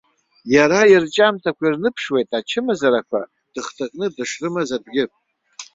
Иара ирҿиамҭақәа ирныԥшуеит ачымазарақәа дыхҭакны дышрымаз атәгьы.